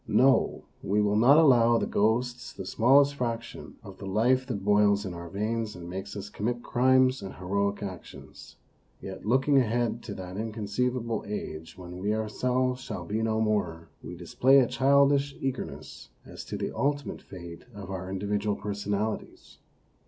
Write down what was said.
No, we will not allow the ghosts the smallest fraction of the life that boils in our veins and makes us commit crimes and heroic actions. Yet looking ahead to that inconceivable age when we, ourselves, shall be no more, we display a childish eagerness as to the ultimate fate of our individual per sonalities.